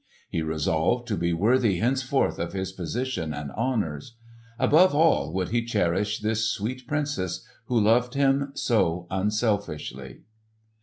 He resolved to be worthy henceforth of his position and honours. Above all would he cherish this sweet Princess who loved him so unselfishly.